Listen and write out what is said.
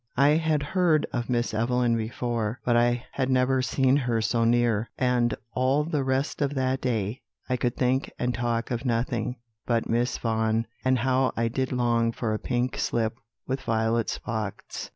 "I had heard of Miss Evelyn before, but I had never seen her so near; and all the rest of that day I could think and talk of nothing but Miss Vaughan; and how I did long for a pink slip with violet spots.